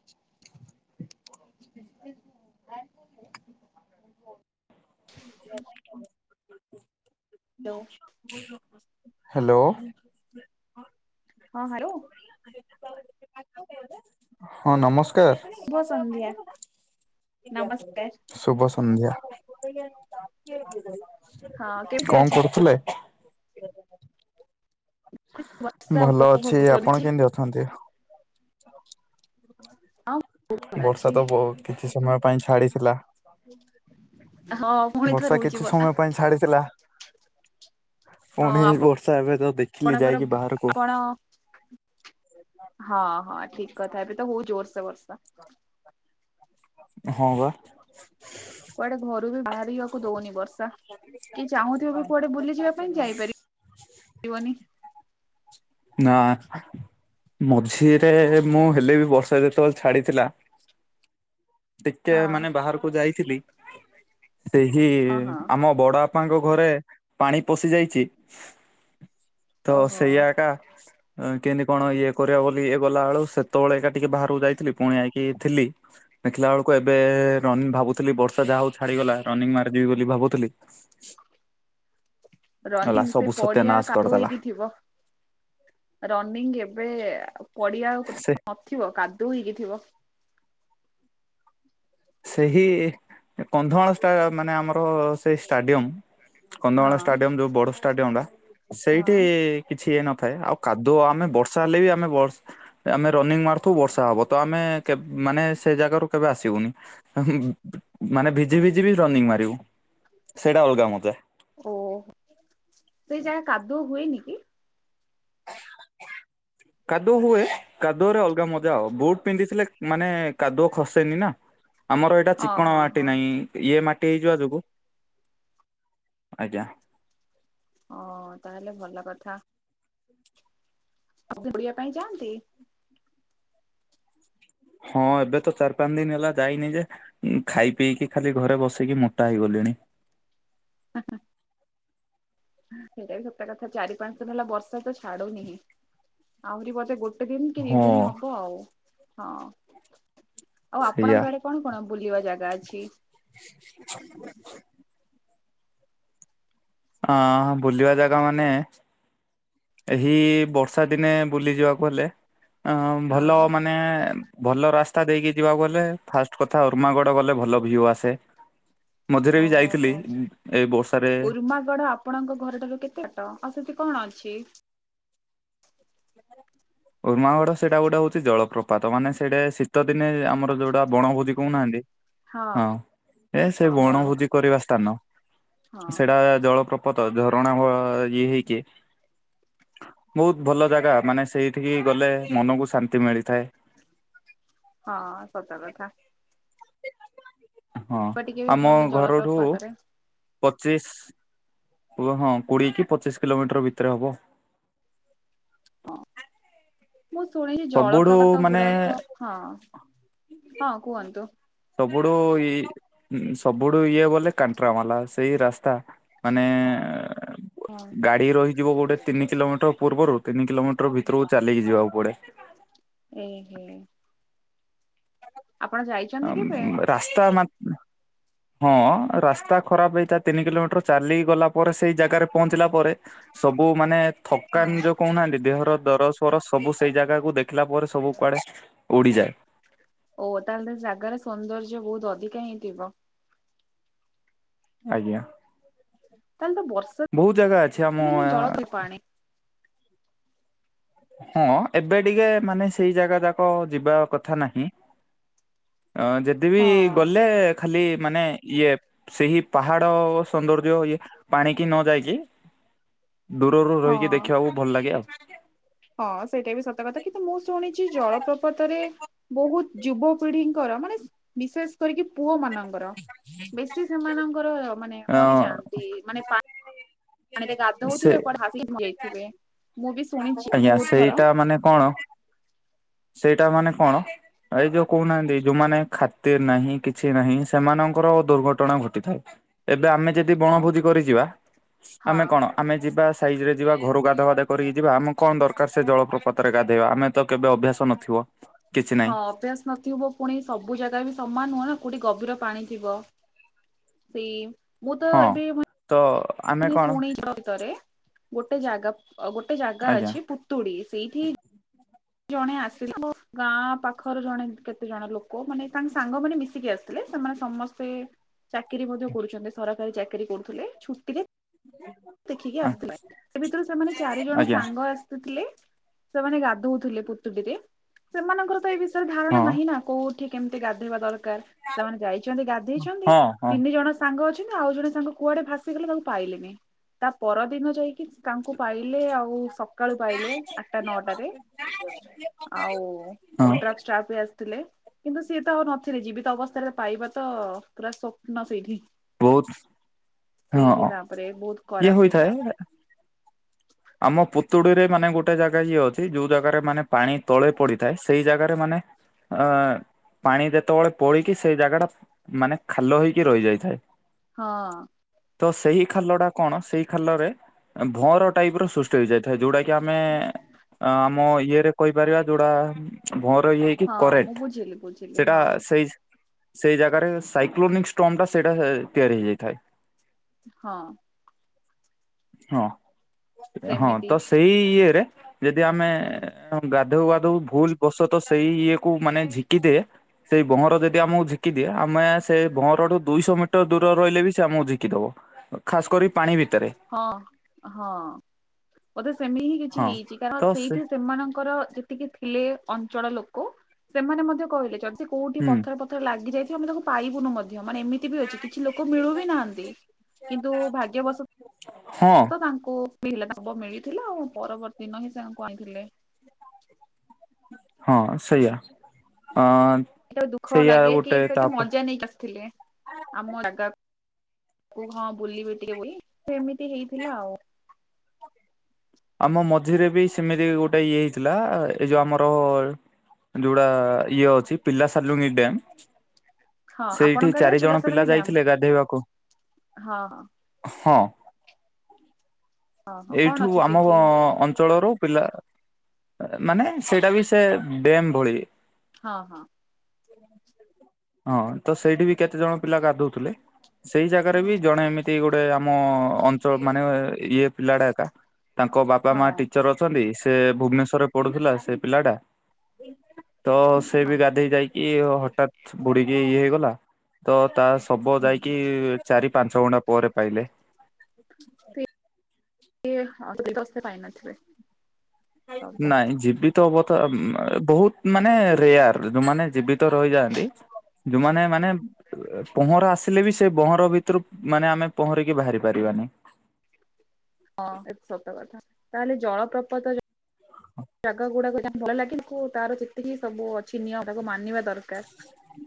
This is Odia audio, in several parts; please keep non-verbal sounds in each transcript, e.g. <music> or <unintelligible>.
<unintelligible> ହ୍ୟାଲୋ <unintelligible> ହ୍ୟାଲୋ ହଁ ହାଲୋ ହଁ ନମସ୍କାର। ଶୁଭ ସନ୍ଧ୍ୟା ନମସ୍କାର। ଶୁଭ ସନ୍ଧ୍ୟା। ଆ <unintelligible> ହଁ କେମିତି ଅଛ? କରୁଥିଲେ ବର୍ଷା ଭଲ ଅଛି ଉପଭୋଗ କରୁଛି ଆପଣ କେମିତି ଅଛନ୍ତି? ହଉ ବର୍ଷା ତ ବହୁତ କିଛି ସମୟ ପାଇଁ ଛାଡିଥିଲା। ହଁ ପୁଣି ଥରେ ବର୍ଷା ହଉଛି କିଛି ସମୟ ପାଇଁ ଛାଡିଥିଲା। ହଁ ପୁଣି ଏ ଆପଣ ବର୍ଷା ଏବେ ତ ଦେଖିଲି ଆପଣଙ୍କର ଯାଇକି ବାହାରକୁ ଆପଣ ହଁ ହଁ ଠିକ କଥା ଏବେ ତ ହେଉଛି ବର୍ଷା ବର୍ଷା ହଁ ବା କୁଆଡେ ଘରୁ ବି ବାହାରିବାକୁ ଦଉନି ବର୍ଷା। କି ଚାହୁଁଥିବ ବି କୁଆଡେ ବୁଲି ଯିବା ପାଇଁ ଯାଇପାରିବନି <inaudible> ନା ମଝିରେ ମୁଁ ହେଲେ ବି ବର୍ଷା ଯେତେବେଳେ ଛାଡିଥିଲା ଟିକେ ହଁ ମାନେ ବାହାରକୁ ଯାଇଥିଲି ସେହି ହଁ ହଁ ଆମ ବଡ ବାପାଙ୍କ ଘରେ ପାଣି ପଶି ଯାଇଛି। ତ ଓହୋ ସେଇ ଆକା କେମିତି କଣ ଇଏ କରିବା ବୋଲି ଇଏ ଗଲା ବଳୁ ସେତେବେଳେ ଏକା ଟିକେ ବାହାରକୁ ଯାଇଥିଲି ପୁଣି ଆଇକି ଥିଲି। ଦେଖିଲା ବେଳକୁ ଏବେ ରନି ଭାବୁଥିଲି ବର୍ଷା ଯାହା ହଉ ଛାଡିଗଲା ରନିଂ ମାରିଯିବି ବୋଲି ଭାବୁଥିଲି। ଗଲା ରନିଂ ସେ ସବୁ ପଡିଆ ସତ୍ୟାନାଶ କାଦୁଅ କରିଦେଲା ହେଇକି ଥିବ। ରନିଂ ଏବେ ପଡିଆ ସେ ନଥିବ କାଦୁଅ ହେଇକି ଥିବ। ସେହି କନ୍ଧମାଳ ମାନେ ଆମର ସେଇ ଷ୍ଟାଡ଼ିୟମ୍ ହଁ କନ୍ଧମାଳ ଷ୍ଟାଡିୟମ ଯୋଉ ବଡ ଷ୍ଟାଡିୟମ ଟା ହଁ ସେଇଠି କିଛି ଇଏ ନଥାଏ ଆଉ କାଦୁଅ ଆମେ ବର୍ଷା ହେଲେ ବି ଆମେ ବ ଆମେ ରନିଂ ମାରୁଥିବ ବର୍ଷା ହବ ତ ଆମେ କେ ମାନେ ସେ ଜାଗାରୁ କେବେ ଆସିବୁନି। ହୁଁ ହୁଁ ମାନେ ଭିଜି ଭିଜି ବି ରନିଙ୍ଗ ମାରିବୁ ସେଇଟା ଅଲଗା ମଜା। ଓ ସେଇ ଯାହା କାଦୁଅ ହୁଏନି କି? କାଦୁଅ ହୁଏ କାଦୁଅରେ ଅଲଗା ମଜା ଆଉ ବୁଟ ପିନ୍ଧିଥିଲେ ମାନେ କାଦୁଅ ଖସେନି ନା। ଆମର ଏଇଟା ହଁ ଚିକଣ ହଁ ମାଟି ହଁ ନାହିଁ। ଇଏ ମାଟି ହେଇଯିବା ଯୋଗୁ ଆଜ୍ଞା। ହଁ ତାହେଲେ ଭଲ କଥା। ଆପଣ ବୁଲିବା ପାଇଁ ଯାଆନ୍ତି? ହଁ ଏବେ ତ ଚାରି ପାଞ୍ଚ ଦିନ ହେଲା ଯାଇନି ଯେ ଉଁ ଖାଇ ପିଇକି ଖାଲି ଘରେ ବସେଇିକି ମୋଟା ହେଇଗଲିଣି। ଆ ହାଁ। ସେଇଟା ବି ସତ କଥା ଚାରି ପାଞ୍ଚ ଦିନ ହେଲା ବର୍ଷା ତ ଛାଡୁନିଁ ଆହୁରି ବୋଧେ ଗୋ ଗୋଟେ ଦିନ ତିନି ହଁ ଦିନ ହବ ଆଉ ହଁ ଆଉ ସେଇଆ। ଆପଣଙ୍କ ଆଡେ କଣ କଣ ବୁଲିବା ଜାଗା ଅଛି? ହ ଅ ବୁଲିବା ଜାଗା ମାନେ ଏହି ବର୍ଷା ଦିନେ ବୁଲି ଯିବାକୁ ହେଲେ ଅ ଭଲ ମାନେ ହଁ ମାନେ ଭଲ ରାସ୍ତା ଦେଇକି ଯିବାକୁ ଗଲେ ଫାଷ୍ଟ କଥା ଉର୍ମାଗଡ ଗଲେ ଭଲ ଭିୟୁ ଆସେ। ମଝିରେ ବି ଯାଇଥିଲି ଏ ବର୍ଷାରେ ମାଗଡ଼ ଆପ ଆପଣଙ୍କ ଘର ଠାରୁ କେତେ ବାଟ ଆଉ ସେଠି କଣ ଅଛି? ଉର୍ମାାଗଡ଼ ସେଇଟା ଗୋଟେ ହଉଛି ଜଳପ୍ରପାତ ମାନେ ସେଇଟା ଶୀତଦିନେ ଆମର ଯୋଉଟା ବଣଭୋଜି କହୁନାହାନ୍ତି? ହଁ ଏ ସେ ହଁ ବଣ ବଣଭୋଜି କରିବା ସ୍ଥାନ ହଁ ସେଟା ଜଳପ ପତ ଝରଣା ଭ ଇଏ ହେଇକି ବହୁତ ଭଲ ଜାଗା ମାନେ ସେଇ ଏଠିକି ଗଲେ ମନକୁ ଶାନ୍ତି ମିଳିଥାଏ। ହଁ ସତ କଥା। ହଁ ଟିକେ ବି ଆମ ଭଲ ଘରଠୁ ଜଳପ୍ରପାତରେ ପଚିଶ ହୁ ହଁ କୋଡିଏ କି ପଚିଶ କିଲୋମିଟର ଭିତରେ ହବ। ହଁ ମୁଁ ଶୁଣିଛି ସବୁଠୁ ଜଳପ୍ରପାତ ମାନେ ଗୁଡାକ ହଁ ହଁ କୁହନ୍ତୁ।? ସବୁଠୁଇ ସବୁଠୁ ଇଏ ବୋଲେ କାଣ୍ଟ୍ରାମାଲା ସେଇ ରାସ୍ତା ମାନେଏ ହଁ। ଏଇ ରହିଯିବ ଗୋଟେ ତିନି କିଲୋମିଟର ପୂର୍ବରୁ ତିନି କିଲୋମିଟର ଭିତରକୁ ଚାଲିକି ଯିବାକୁ ପଡେ। ଏ ହେଁ। ଆ ଯାଇଛନ୍ତି କେବେ? ମ୍ ରାସ୍ତା ମା ହଁ ରାସ୍ତା ଖରାପ ହେଇଥା ତିନି କିଲୋମିଟର ଚାଲି ଗଲା ପରେ ସେଇ ଜାଗାରେ ପହଞ୍ଚିଲା ପରେ। ସବୁ ମାନେ ଥକାନ ହଁ ଯୋଉ କହୁନାହାନ୍ତି ଦେହର ଦର ସର ସବୁ ସେଇ ଜାଗାକୁୁ ଦେଖିଲା ପରେ ସବୁ କୁଆଡେ ଉଡିଯାଏ। ଓ ତାହେଲେ ଜାଗାରେ ସୌନ୍ଦର୍ଯ୍ୟ ବହୁତ ଅଧିକା ହେଇଥିବ। ଆଜ୍ଞା। ତାହେଲେ ତ ବର୍ଷା ବହୁତ ଜାଗା ଅଛି ଆମ ଦିନେ ଜଳ ପଇ ପାଣି। ହଁ ଏବେ ଟିକେ ମାନେ ସେଇ ଜାଗା ଯାକ ଯିବା କଥା ନାହିଁ। ଆଁ ଯଦି ବିି ହଁ ଗଲେ ଖାଲି ମାନେ ଇଏ ସେହି ପାହାଡ ସୌନ୍ଦର୍ଯ୍ୟ ଇଏ ପାଣିକି ନ ଯାଇକି ଦୂରରୁ ହଁ ରହିକି ଦେଖିବାକୁ ଭଲ ଲାଗେ ଆଉ। ହଁ ସେଇଟା ବି ସତ କଥା କିନ୍ତୁ ମୁଁ ଶୁଣିଚି ଜଳପ୍ରପାତରେ ବହୁତୁ ଯୁବ ପିଢିଙ୍କର ମାନେ ବିଶେଷ କରିକି ପୁଅ ମାନଙ୍କର ବେଶୀସି ସେମାନଙ୍କର ମାନେ ଅ ମରିଯାଆନ୍ତି ମାନେ ପା ପାଣିରେ ସେ ଗାଧୋଉଥିବେ କୁଆଡେ ହାସିକି ବୁଡି ଯାଇଥିବେ ମୁଁ ବି ଶୁଣିଚି। ଆଜ୍ଞା ସେଇଟା ମାନେ କଣ ସେଇଟା ମାନେ କଣ? ଏଇ ଯୋଉ କହୁନାହାନ୍ତି ଯୋଉମାନେ ଖାତିରି ନାହିଁ କିଛି ନାହିଁ ସେମାନଙ୍କର ଦୁର୍ଘଟଣା ଘଟିଥାଏ। ଏବେ ଆମେ ଯଦି ବଣଭୋଜି କରିଯିବା ହଁ। ଆମେ କଣ ଆମେ ଯିବା ସାଇଜିରେ ଯିବା ଘରୁ ଗାଧ ବାଧା କରିକି ଯିବା ଆମେ କଣ ଦରକାର ସେ ଜଳପ୍ରପାତରେ ଗାଧେଇବା ଆମେ ତ କେବେ ଅଭ୍ୟାସ ନଥିବ। କିଛି ନାହିଁ ହଁ ଅଭ୍ୟାସ ନଥିବ ପୁଣି ସବୁ ଜାଗା ବି ସମାନ ନୁହଁ ନା କୋଉଠି ଗଭୀର ପାଣି ଥିବ। ସେଇ ମୁଁ ତ ହଁ ଏବେମାନେ ତ ଆମେ <unintelligible> କଣ ଶୁଣି ଭିତରେ ଗୋଟେ ଜାଗା ଗୋଟେ ଜାଗା ଆଜ୍ଞା ଅଛି ପୁତୁଡି ସେଇଠି ଜଣେ ଆସିଲା ଗାଁ ପାଖରେ ଜଣେ କେତେ ଜଣ ଲୋକ ମାନେ ତାଙ୍କ ସାଙ୍ଗମାନେ ମିଶିକି ଆସେ ଥିଲେ ସେମାନେ ସମସ୍ତେ ଚାକିରୀ ମଧ୍ୟ କରୁଚନ୍ତି ସରକାରୀ ଚାକିରୀ କରୁଥିଲେ ଛୁଟିରେ ହ। <unintelligible> ଦେଖିକି ଆସିଥିଲା ସେ ଭିତରୁ ସେମାନେ ଚାରି ଜଣ ଆଜ୍ଞା ସାଙ୍ଗ ଆସି ଥିଲେ ସେମାନେ ଗାଧଉଥିଲେ ପୁତୁଡିରେ ସେମାନଙ୍କର ତ ଏ ଧାରଣା ହଁ ନାହିଁ ନା କୋଉଠି କେମିତି ଗାଧୋଇବା ଦରକାର। ସେମାନେ ଯାଇଚନ୍ତି ଗାଧେଇଚନ୍ତି ହଁ ହଁ। ତିନି ଜଣ ସାଙ୍ଗ ଅଛନ୍ତି ଆଉ ଜଣେ ସାଙ୍ଗ କୁଆଡେ ଭାସିଗଲେ ତାଙ୍କୁ ପାଇଲେନି। ତା ପରଦିନ ଯାଇକି ତାଙ୍କୁ ପାଇଲେ ଆଉ ସକାଳୁ ପାଇଲେ ଆଠଟା ନଅଟ ରେ ଆଉ ହଁ ଓଡ୍ରା ଷ୍ଟାପ ଆ ଥିଲେ କିନ୍ତୁ ସିଏ ତ ଆଉ ନଥିଲେ ଜୀବିତ ଅବସ୍ଥାରେ ପାଇବା ତ ପୁରା ସ୍ୱପ୍ନ ସେଇଠି। ବହୁତ ସେଇଠି ହଁ ତାପରେ ବହୁତୁ ଇଏ ଖରାପ ହୋଇଥାଏ ସେଇଟା। ଆମ ପୁତୁଡ଼ି ରେ ମାନେ ଗୋଟେ ଜାଗା ଇଏ ଅଛି ଯୋଉ ଜାଗାରେ ମାନେ ପାଣି ତଳେ ପଡିଥାଏ ସେଇ ଜାଗାରେ ମାନେ ଆ ପାଣି ଯେତେବେଳେ ପଳିକି ସେଇ ଜାଗା ଟା ମାନେ ଖାଲ ହେଇକି ରହିଯାଇଥାଏ। ହଁ। ତ ସେଇ ଖାଲଟା କଣ ସେଇ ଖାଲରେ ଭଅଁର ଟାଇପିର ସୁଷ୍ଟି ହୋଇଯାଇଥାଏ ଯୋଉଟା କି ଆମେ ଆମ ଇଏରେ କହିପାରିବା ଯୋଉଟା ଭଅଁରରେ ଇଏହେ କି ହଁ ମୁଁ କରେକ୍ଟେ ବୁଝିଲି ବୁଝିଲି ସେଟା ହଁ ସେଇ ସ୍ ସେଇ ଜାଗାରେ ସାଇକ୍ଲୋନିକ ଷ୍ଟୋମ ଟା ସେଇଟା ତିଆରି ହେଇଯାଇଥାଏ। ହଁ। ହଁ। ହଁ ସେମିତି ତ ସେଇ ଇଏରେ ଯଦି ଆମେ ହୁଁ ଗାଧଉ ଗାଧୋଉ ଭୁଲ ବଶତ ସେଇ ଇଏ କୁ ମାନେ ଝିକିଦେ ସେଇ ଭଅଁର ଯଦି ଆମକୁ ଝିକି ଦିଏ ଆମେ ସେଇ ଭଅଁରରୁ ଦୁଇଶହ ମିଟର ଦୂର ରହିଲେ ବି ସେ ଆମକୁ ଝିକି ଦବ। ଖାସ୍ କରି ପାଣି ଭିତରେ। ହଁ ହଁ ବୋଧେ ସେମିତି ହିଁ କିଛି ହଁ ହେଇଚି ତ କାରଣ ସେ ସେଇଠି ସେମାନଙ୍କର ଯେତିକି ଥିଲେ ଅଞ୍ଚଳ ଲୋକ ସେମାନେ ମଧ୍ୟ କହିଲେ ଯଦି କୋଉଠି ହୁଁ ପଥର ପଥ ତ ଲାଗିଯାଇଥିବ ମୁଁ ତାକୁ ପାଇବୁନୁ ମଧ୍ୟ ମାନେ ଏମିତି ଏମିତି ବି ଅଛି କିଛି ଲୋକ ମିଳୁ ବି ନାହାନ୍ତି କିନ୍ତୁ ଭାଗ୍ୟବସ ହଁ। ତାଙ୍କୁ ପିଲା ତାଙ୍କୁ ମିଳିଥିଲା ଆଉ ପରବର୍ତ୍ତୀ ଦିନ ହିଁ ସେ ଆଙ୍କୁ ଆଣିଥିଲେ। ହଁ ସେଇଆ ଅଁ। ଏଟା ଦୁଃଖ ଲାଗେ କି ସେଠି ମଜା ନେଇକି ଆସିଥିଲେ। ଆମ ଜାଗାକୁ ହଁ ବୁଲିବେ ଟିକେ ବୋଲି ତ ଏମିତି ହେଇଥିଲା ଆଉ। ଆମ ମଝିରେ ବି ସେମିତି ଗୋଟେ ଇଏ ହେଇଥିଲା ଏଇ ଯୋଉ ଆମର। ଯୋଉଟା ଇଏ ଅଛି ପିଲା ସର୍ଲୁନି ଡ୍ୟାମ। ହଁ ସେଇଠି ଆପଣଙ୍କ ଆଡେ ଚାରି ଅଛି ଜଣ ପିଲା ପିଲାସାଲୁଙ୍ଗି ଡ୍ୟାମ୍? ଯାଇଥିଲେ ଗାଧେଇବାକୁ। ହଁ ହଁ। ହଁ ହଁ କଣ ଅଛି ସେ। କୋଉ ଅଞ୍ଚଳରୁ ପିଲା ମାନେ ସେଇଟା ବି ସେ ଡ୍ୟାମ୍ ଭଳି। ହଁ ହଁ। ହଁ ତ ସେଇଠି ବି କେତେ ଜଣ ପିଲା ଗାଧଉଥିଲେ ସେଇ ଜାଗାରେ ବି ଜଣେ ଏମିତି ଗୋଟ ଗୋଟେ ଆମ ଅଞ୍ଚଳ ମାନେ ଇଏ ପିଲାଟା ଏକା ତାଙ୍କ ବାପା ମା ହଁ। ଟିଚର ଅ ଅଛନ୍ତି ସେ ଭୁବନେଶ୍ଵରରେ ପଢୁଥିଲା ସେ ପିଲାଟା। ତ ସେ ବି ହଁ ଗାଧେଇ ଯାଇକି ହଠାତ ବୁଡିକି ଇଏ ହେଇଗଲା। ତ ତା ସବ ହୁଁ ଯାଇକି ଚାରି ପାଞ୍ଚ ଘଣ୍ଟା ପରେ ପାଇଲେ। କି ହଁ ତ ଶେ ପାଇନଥିବେ। ସବୁ ନାଇଁ ଯିବି ତ ବଥ ବହୁତ ମାନେ ରେୟାର। ଯୋଉମାନେ ଜୀବିତ ରହିଯାଆନ୍ତି ଯୋଉମାନେ ମାନେ। ପହଁରା ଆସିଲେ ବି ସେ ଭହଁର ଭିତରୁ ମାନେ ଆମେ ପହଁରିକି ବାହାରି ପାରିବାନି। ହଁ ଏ ତ ସତ କଥା ତାହେଲେ ଜଳପ୍ରପାତ। ଜାଗା ଗୁଡାକ ଯିବାକୁ ଭଲ ଲାଗେ କିନ୍ତୁ ତାର ଯେତିକି ସବୁ ଅଛି ନିୟମ ତାକୁ ମାନିବା ଦରକାର।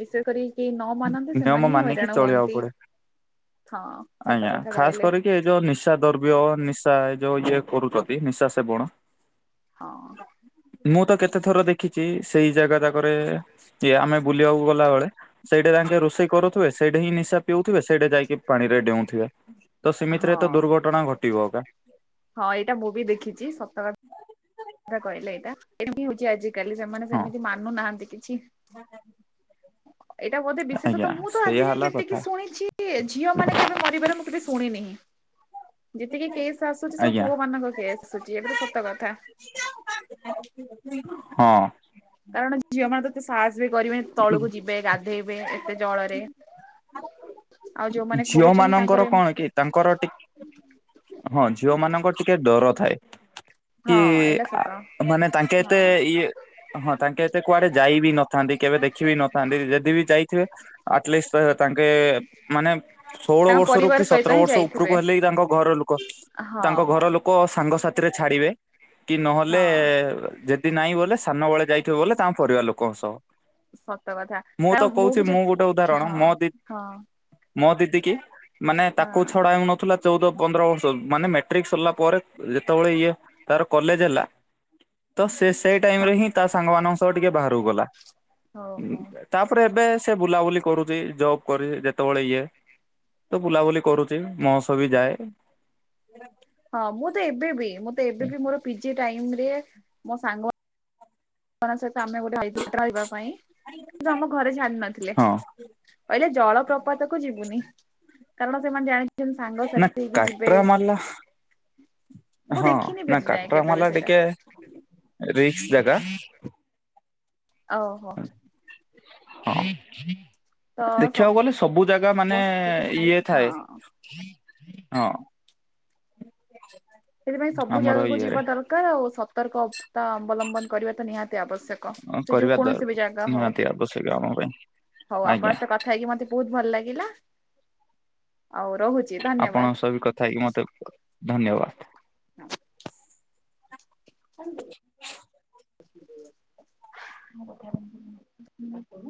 ବିଶେୟ କରି। କେହି ନ ମାନନ୍ତି ନିୟମ ସେମାନେ ହିଁ ମାନିକି ହଇରାଣ ଚଳିବାକୁ ହୁଅନ୍ତି ପଡେ। ହଁ ସତ ଆଜ୍ଞା କଥା ଖାସ କହିଲେ। କରିକି ଏ ଯୋଉ ନିଶା ଦ୍ରବ୍ୟ ନିଶା ଏ ଯୋଉ ଇଏ କରୁଛନ୍ତି ନିଶା ସେବଣ। ହଁ। ମୁଁ ତ କେତେ ଥର ଦେଖିଛି ସେଇ ଜାଗା ଯାକରେ ଇଏ ଆମେ ବୁଲିବାକୁ ଗଲାବେଳେ। ସେଇଠେ ତାଙ୍କେ ରୋଷେଇ କରୁଥିବେ ସେଇଠି ହିଁ ନିଶା ପିଉଥିବେ ସେଇଠେ ଯାଇକି ପାଣିରେ ଡେଉଁଥିବେ। ତ ସେମିତିରେ ତ ହଁ ଦୁର୍ଘଟଣା ଘଟିବ ଅକା। ହଁ ଏଇଟା ମୁଁ ବି ଦେଖିଛି ସତକଥା। ସତକହିଲେ ଏଇଟା ଏଇଠି ବି ହଉଛି ଆଜି କାଲି ସେମାନେ ହଁ ସେମିତି ମାନୁନାହାନ୍ତି କିଛି। ଏଇଟା ବୋଧେ ଆଜ୍ଞା ବିଶେଷତ ମୁଁ ତ ସେଇଆ ଆଜିଯାଏ ହେଲା ଯେତିକି କଥା ଶୁଣିଛି। କି ଏ ଝିଅ ମାନେ କେବେ ମରିବାର ମୁଁ କେବେ ଶୁଣିନି ହିଁ। ଯେତିକି କେସ୍ ଆସୁଛି ସବୁ ଆଜ୍ଞା ପୁଅ ମାନଙ୍କ କେସ୍ ଆସୁଛି ଏଇଟା ତ ସତ କଥା। ହଁ। କାରଣ ଝିଅ ମାନେ ତ ଏତେ ସାହସ ବି କରିବେନି ତଳକୁ ଯିବେ ଗାଧେଇବେ ଏ ଏତେ ଜଳରେ ଆଉ ଯୋଉମାନେ ଝିଅ କରୁଛନ୍ତି ମାନଙ୍କର ତାଙ୍କର କଣ ଏମ କି ତାଙ୍କର ଟି ହଁ ଝିଅ ମାନଙ୍କର ଟିକେ ଡର ଥାଏ। ହଁ କି ଏଇଟା ସତ ମାନେ ତାଙ୍କେ ଏତେ ହଁ। ଇଏ। ହଁ ତାଙ୍କେ ଏତେ କୁଆଡେ ଯାଇ ବିି ନଥାନ୍ତି କେବେ ଦେଖି ବିି ନଥାନ୍ତି ଯଦି ବି ଯାଇଥିବେ। ଆଟଲିଷ୍ଟ୍ ତାଙ୍କେ ମାନେ। ଷୋହଳ ତାଙ୍କ ବର୍ଷରୁ ପରିବାର କି ସହିତ ସତର ହିଁ ବର୍ଷ ଉପରକୁ ଯାଇଥିବେ ହେଲେ ହି ତାଙ୍କ ଘର ଲୋକ ହଁ ତାଙ୍କ ହଁ ଘର ଲୋ ଲୋକ ସାଙ୍ଗସଥିରେ ଛାଡିବେ କି ନହେଲେ ହଁ। ଯେ ଯଦି ନାହିଁ ବଲେ ସାନବେଳେ ଯାଇଥିବ ବଲେ ତାଙ୍କ ପରିବାର ଲୋକଙ୍କ ସହ। ସତ କଥା ମୁଁ ତ କାରଣ କହୁଛି ବି ଯେ ମୁଁ ଗୋଟେ ଉଦାହରଣ ହଁ ମୋ ଦି ହଁ ମୋ ଦିଦି କିି ମାନେ ତାକୁ ହଁ ଛଡା ହେଉ ନଥିଲା ଚଉଦ ପନ୍ଦର ବର୍ଷ ମାନେ ମାଟ୍ରିକ ସରିଲା ପରେ ଯେତେବେଳେ ଇଏ ତାର କଲେଜ ହେଲା। ତ ସେ ସେଇ ଟାଇମ୍ ରେ ହିଁ ତା ସାଙ୍ଗ ମାନଙ୍କ ସହ ଟିକେ ବାହାରକୁ ଗଲା। ହଉ ହଉ। ତାପରେ ଏବେ ସେ ବୁଲାବୁଲି କରୁଛି ଜବ୍ କରି ଯେତେବେଳେ ଇଏ ତ ବୁଲାବୁଲି କରୁଛି ମୋ ସହ ବି ଯାଏ। <unintelligible> ହଁ ମୁଁ ତ ଏବେ ବି ମୁଁ ତ ଏବେ ବି ମୋର ପିଜି ଟାଇମୂ ରେ ମୋ ସାଙ୍ଗ ମା ନଙ୍କ ସହିତ ଆମେ ଗୋଟେ ପାଇଁ କିନ୍ତୁ ଆମ ଘରେ ଜାଣିନଥିଲେ। ହଁ କହିଲେ ଜଳ ପ୍ରପାତକୁ ଯିବୁନି କାରଣ ସେମାନେ ଜାଣି ଛନ୍ତି ନା ସାଙ୍ଗସାଥି ହେଇକି ଯିବେ। କାଟ୍ରାମାଲା ମୁଁ ହଁ ଦେଖିନି ବି ନା ଆଜି ଯାଏଁ କାଟର କେବେ ବି ମାଲା ସେଇଟା ଟିକେ ରିକ୍ସ୍ ଜାଗା ଓହୋ। ହଉ। ଦେଖିବାକୁ ଗଲେ ସବୁ ଜାଗା ମାନେ ହଁ ଇଏ ଥାଏ। ହଁ। ସେଥିପାଇଁ ସବୁ ଆମର ଜାଗାକୁ ଯିବା ଇଏରେ ଦରକାର ଆଉ ସତର୍କତା ଅବଲମ୍ବନ କରିବା ତ ନିହାତି ଆବଶ୍ୟକ। କ ଯୋଉ କରିବା ଦର କୌଣସି ବି ଜାଗା ହଉ ନିହାତି ଆବଶ୍ୟକ ଆମ ପାଇଁ ହଉ ଆଜ୍ଞା ଆପଣଙ୍କ ସ କ ଥା ହେଇକି ମତେ ବହୁତ୍ ଭଲ ଲାଗିଲା ଆଉ ରହୁଛି ଧନ୍ୟବାଦ୍। ମୁଁ କଥା ହେଇକି ମତେ ଧନ୍ୟବାଦ୍। <unintelligible> <unintelligible>